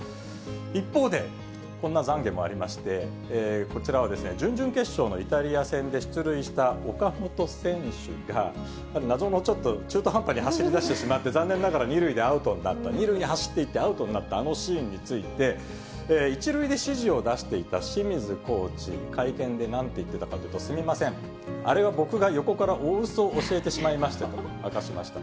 一方で、こんなざんげもありまして、こちらは準々決勝のイタリア戦で出塁した岡本選手が、謎のちょっと、中途半端に走りだしてしまって、残念ながら２塁でアウトになった、２塁に走っていって、アウトになったあのシーンについて、１塁で指示を出していた清水コーチ、会見でなんて言ってたかというと、すみません、あれは僕が横から大うそを教えてしまいましてと明かしました。